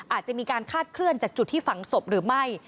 อาจจะมีการคาดเคลื่อนจากจุดที่ฝังศพหรือไม่